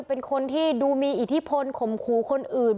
เป็นคนที่ดูมีอิทธิพลข่มขู่คนอื่น